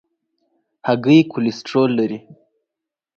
هګۍ کولیسټرول لري.